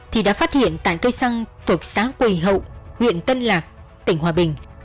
thì đã phát hiện tại cây xăng thuộc xã quỳ hậu huyện tân lạc tỉnh hòa bình